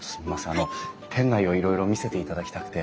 あの店内をいろいろ見せていただきたくて。